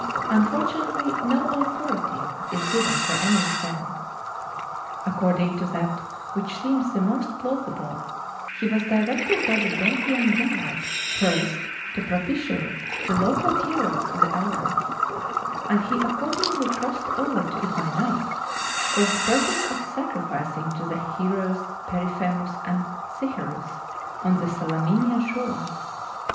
Unfortunately no authority is given for any of them. According to that which seems the most plausible, he was directed by the Delphian god first to propitiate the local heroes of the island; and he accordingly crossed over to it by night, for the purpose of sacrificing to the heroes Periphemus and Cychreus on the Salaminian shore.